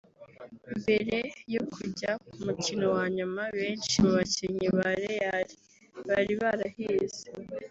Mbere yo kujya ku mukino wa nyuma benshi mu bakinnyi ba Real bari barahize